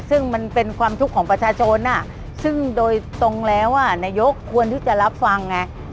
ซึ่งมันเป็นความทุกข์ของประชาชนซึ่งโดยตรงแล้วนายกควรที่จะรับฟังไง